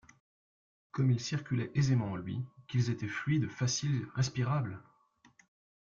comme ils circulaient aisément en lui, qu’ils étaient fluides, faciles, respirables!